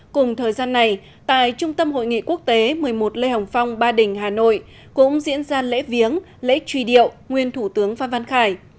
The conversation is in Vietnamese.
cùng thời gian này tại trung tâm hội nghị quốc tế một mươi một lê hồng phong ba đình hà nội cũng diễn ra lễ viếng lễ truy điệu nguyên thủ tướng phan văn khải